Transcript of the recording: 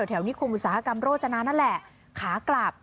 นิคมอุตสาหกรรมโรจนานั่นแหละขากลับ